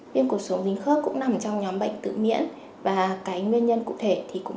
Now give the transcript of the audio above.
viêm cột sống dính khớp cũng nằm trong nhóm bệnh tự miễn và cái nguyên nhân cụ thể thì cũng